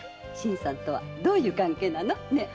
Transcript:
新さんとはどういう関係なの？